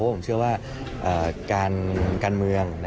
เพราะผมเชื่อว่าการเมือง